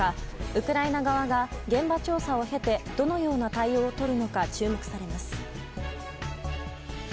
ウクライナ側が現場調査を経てどのような対応をとるのか注目されます。